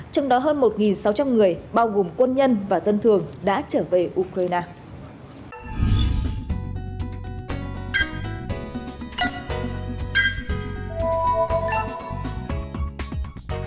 trong đó hơn một sáu trăm linh người bao gồm quân nhân và dân thường đã trở về ukraine